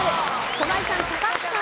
駒井さん高橋さん